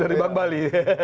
dari bank bali